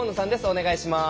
お願いします。